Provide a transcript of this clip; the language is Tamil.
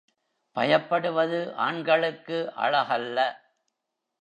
பயப்படுவது ஆண்களுக்கு அழகல்ல.